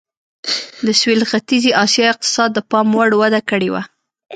د سوېل ختیځې اسیا اقتصاد پاموړ وده کړې وه.